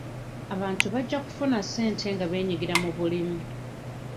Abantu bajja kufuna ssente nga beenyigira mu bulimu.